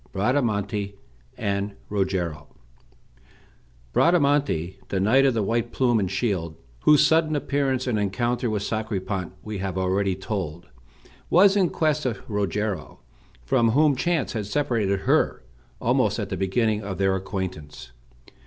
BRADAMANTE AND ROGERO Bradamante, the knight of the white plume and shield, whose sudden appearance and encounter with Sacripant we have already told, was in quest of Rogero, from whom chance had separated her, almost at the beginning of their acquaintance.